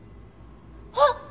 あっ！